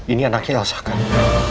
ini anaknya lelah sakai